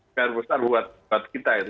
pr besar buat kita itu